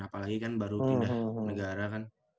apalagi kan baru pindah negara kan